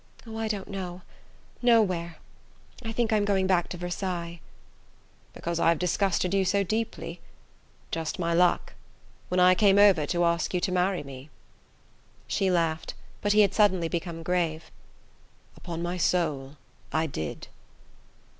"Oh, I don't know. Nowhere. I think I'm going back to Versailles." "Because I've disgusted you so deeply? Just my luck when I came over to ask you to marry me!" She laughed, but he had become suddenly grave. "Upon my soul, I did."